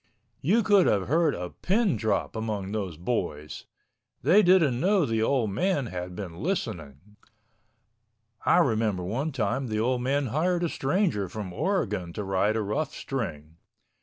You could have heard a pin drop among those boys. They didn't know the old man had been listening. I remember one time the old man hired a stranger from Oregon to ride a rough string.